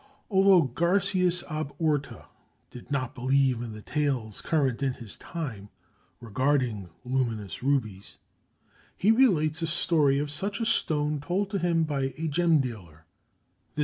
Although Garcias ab Orta did not believe in the tales current in his time regarding luminous rubies, he relates a story of such a stone told to him by a gem dealer.